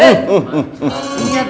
iya pak ustadz